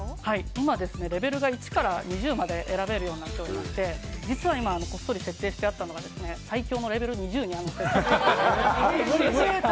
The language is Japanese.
今、レベルが１から２０まで選べるようになっておりまして実は今こっそり設定してあったのが最強のレベル２０になっていました。